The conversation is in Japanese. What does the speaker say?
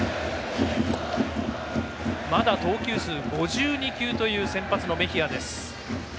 まだ投球数５２球という先発のメヒアです。